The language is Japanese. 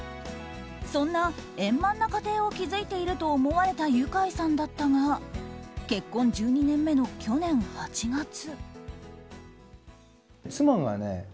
そんな円満な家庭を築いていると思われたユカイさんだったが結婚１２年目の去年８月。